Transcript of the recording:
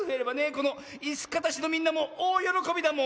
このいすかたしのみんなもおおよろこびだもんの。